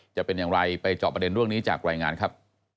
จะเป็นอย่างไรไปจอบประเด็นเรื่องนี้จากรายงานครับ